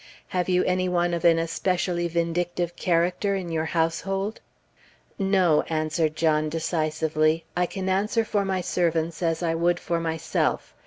Have you any one of an especially vindictive character in your household?" "No," answered John, decisively; "I can answer for my servants as I would for myself.